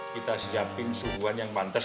kita siapin suguhan yang pantas